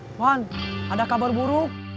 iwan ada kabar buruk